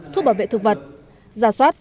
thuốc bảo vệ thực vật giả soát